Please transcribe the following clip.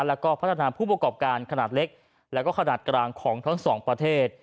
แล้วก็พัฒนาผู้ประกอบการขนาดเล็กแล้วก็ขนาดกลางของทั้งสองประเทศ